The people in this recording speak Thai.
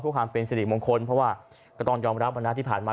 เพื่อความเป็นสิริมงคลเพราะว่าก็ต้องยอมรับนะที่ผ่านมา